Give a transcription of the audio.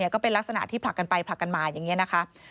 ก็เป็นลักษณะที่ผลักกันไปผลักกันมาอย่างนี้นะคะ